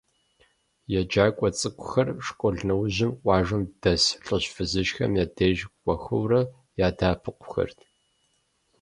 Еджакӏуэ цӏыкӏухэр школ нэужьым къуажэм дэс лӏыжь-фызыжьхэм я деж кӏуэхэурэ, ядэӏэпыкъухэрт.